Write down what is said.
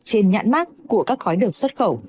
trên nhãn mát của các gói đường xuất khẩu